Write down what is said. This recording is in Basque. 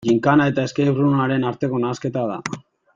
Ginkana eta escape room-aren arteko nahasketa da.